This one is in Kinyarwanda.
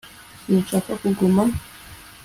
sinshaka kuguma